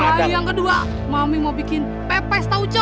bayang kedua mami mau bikin pepes tauco